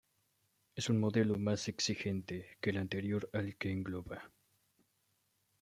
Es un modelo más exigente que el anterior al que engloba.